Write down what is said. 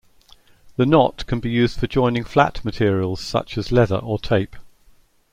The knot can be used for joining flat materials such as leather or tape.